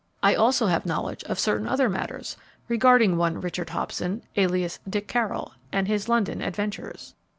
I also have knowledge of certain other matters regarding one Richard Hobson, alias Dick Carroll, and his London adventures."